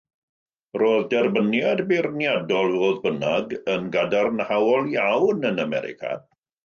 Roedd derbyniad beirniadol, fodd bynnag yn gadarnhaol iawn yn America.